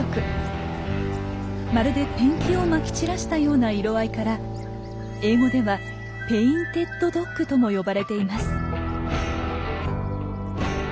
まるでペンキをまき散らしたような色合いから英語では「ペインテッドドッグ」とも呼ばれています。